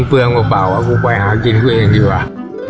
เปล่าอะกูไปหากินกันเองดีกว่า